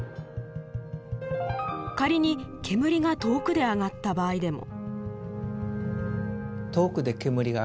仮に煙が遠くで上がった場合でも。